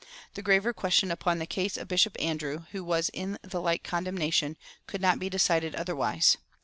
The graver question upon the case of Bishop Andrew, who was in the like condemnation, could not be decided otherwise.